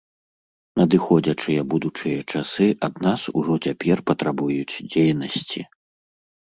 Надыходзячыя будучыя часы ад нас ужо цяпер патрабуюць дзейнасці.